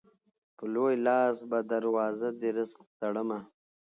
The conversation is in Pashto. په لوی لاس به دروازه د رزق تړمه